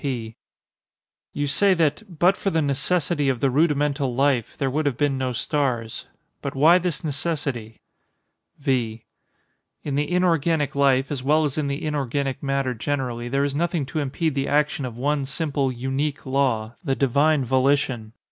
P. You say that "but for the necessity of the rudimental life" there would have been no stars. But why this necessity? V. In the inorganic life, as well as in the inorganic matter generally, there is nothing to impede the action of one simple unique law—the Divine Volition.